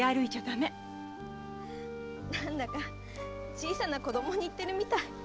何だか小さな子供に言ってるみたい。